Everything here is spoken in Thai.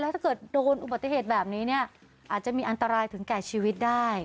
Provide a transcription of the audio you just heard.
ถ้าเกิดโดนอุบัติเหตุแบบนี้เนี่ยอาจจะมีอันตรายถึงแก่ชีวิตได้